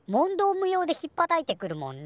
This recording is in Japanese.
無用でひっぱたいてくるもんね。